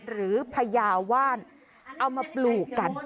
พญาว่านเอามาปลูกกัน